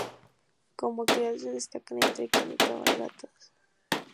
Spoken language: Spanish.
Como actividades se destacan el trekking y cabalgatas.